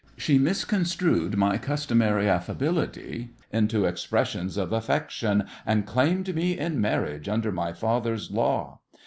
She misconstrued my customary affability into expressions of affection, and claimed me in marriage, under my father's law.